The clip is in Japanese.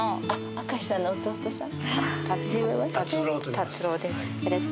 明さんの妹さん？